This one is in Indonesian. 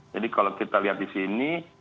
jadi kalau kita lihat di sini